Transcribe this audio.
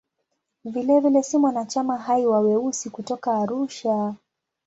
Vilevile ni mwanachama hai wa "Weusi" kutoka Arusha.